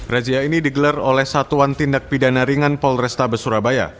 razia ini digelar oleh satuan tindak pidana ringan polrestabes surabaya